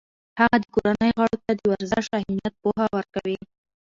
هغه د کورنۍ غړو ته د ورزش اهمیت پوهه ورکوي.